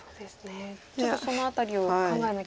ちょっとその辺りを考えなきゃ。